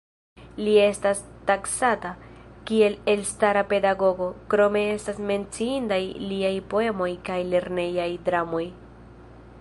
Li estas taksata, kiel elstara pedagogo, krome estas menciindaj liaj poemoj kaj lernejaj dramoj.